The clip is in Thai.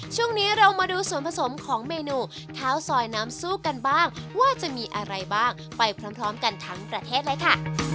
ช่วงนี้เรามาดูส่วนผสมของเมนูข้าวซอยน้ำซู่กันบ้างว่าจะมีอะไรบ้างไปพร้อมกันทั้งประเทศเลยค่ะ